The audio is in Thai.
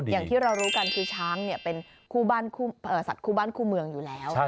อย่างที่เรารู้กันคือช้างเป็นคู่สัตว์คู่บ้านคู่เมืองอยู่แล้ว